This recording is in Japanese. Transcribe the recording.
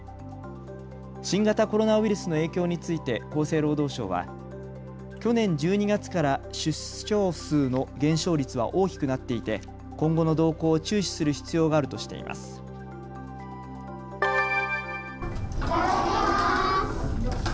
新型コロナウイルスの影響について厚生労働省は去年１２月から出生数の減少率は大きくなっていて今後の動向を注視する必要があるとしています。